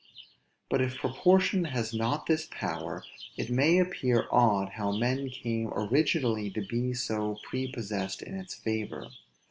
But if proportion has not this power, it may appear odd how men came originally to be so prepossessed in its favor.